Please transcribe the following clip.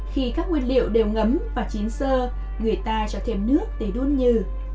khi các nguyên liệu đều ngấm và chín sơ người ta cho thêm nước để đun nhừ